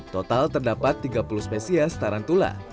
total terdapat tiga puluh spesies tarantula